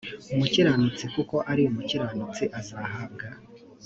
umukiranutsi kuko ari umukiranutsi azahabwa